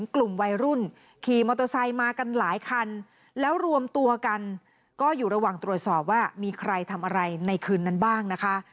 กลุ่มวัยรุ่นขี่มอเตอร์ไซค์มากันหลายคันแล้วรวมตัวกันก็อยู่ระหว่างตรวจสอบว่ามีใครทำอะไรในคืนนั้นบ้างนะคะ